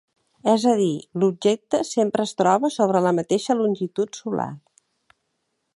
És a dir, l'objecte sempre es troba sobre la mateixa longitud solar.